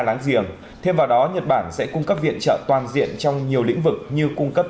láng giềng thêm vào đó nhật bản sẽ cung cấp viện trợ toàn diện trong nhiều lĩnh vực như cung cấp